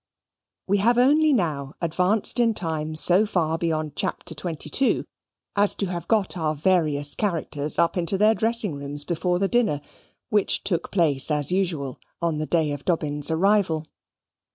We have only now advanced in time so far beyond Chapter XXII as to have got our various characters up into their dressing rooms before the dinner, which took place as usual on the day of Dobbin's arrival.